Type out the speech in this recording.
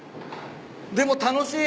でも楽しい。